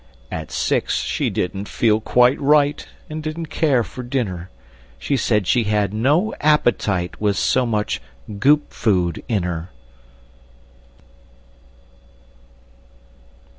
At 6, she didn't feel quite right, And didn't care for dinner. She said she had no appetite, With so much Goop food in her!